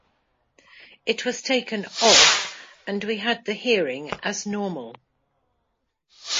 It was taken off and we had the hearing as normal.